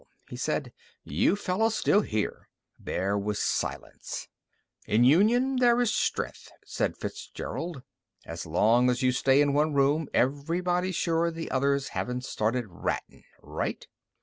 he said. "You fellas still here!" There was silence. "In union there is strength," said Fitzgerald. "As long as you stay in one room everybody's sure the others haven't started rattin'. Right?"